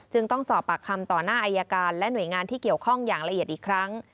ต้องสอบปากคำต่อหน้าอายการและหน่วยงานที่เกี่ยวข้องอย่างละเอียดอีกครั้ง